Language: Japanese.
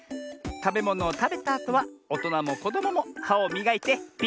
たべものをたべたあとはおとなもこどもも「は」をみがいてピッカピカにしてね！